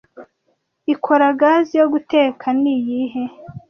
ikora gaze yo guteka niyihe